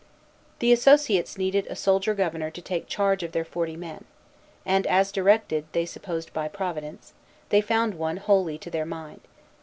The Associates needed a soldier governor to take charge of their forty men; and, directed as they supposed by Providence, they found one wholly to their mind.